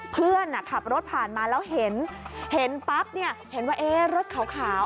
เพื่อนขับรถผ่านมาแล้วเห็นปั๊บเห็นว่ารถขาว